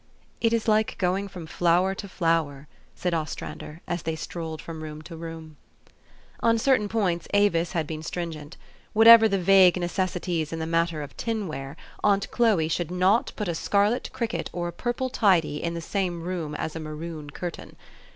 "It is like going from flower to flower," said Ostrander, as they strolled from room to room. THE STORY OF AVIS. 241 On certain points Avis had been stringent. What ever the vague necessities in the matter of tin ware, aunt Chloe should not put a scarlet cricket or a purple tidy in the same room with a maroon curtain.